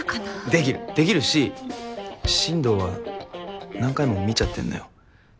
できるできるし進藤は何回も見ちゃってんのよ